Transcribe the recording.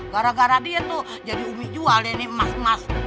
gara gara dia tuh jadi umi jual jadi emas emas